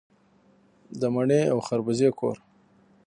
د مڼې او خربوزې کور.